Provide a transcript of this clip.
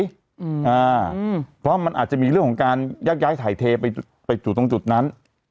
อืมอ่าเพราะมันอาจจะมีเรื่องของการยักย้ายถ่ายเทไปไปจุดตรงจุดนั้น